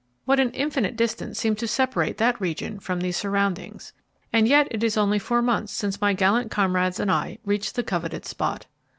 What an infinite distance seems to separate that region from these surroundings! And yet it is only four months since my gallant comrades and I reached the coveted spot.